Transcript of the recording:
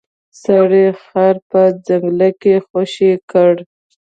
سړي خر په ځنګل کې خوشې کړ.